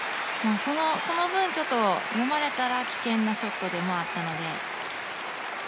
その分、ちょっと読まれたら危険なショットでもあったので。